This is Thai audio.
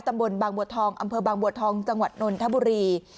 บางบัวทองอำเภอบางบัวทองจังหวัดนนทบุรี